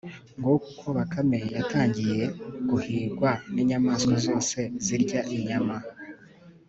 nguko uko bakame yatangiye guhigwa n'inyamaswa zose zirya inyama